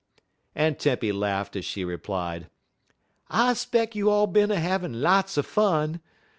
'" Aunt Tempy laughed as she replied: "I 'speck you all bin a havin' lots er fun.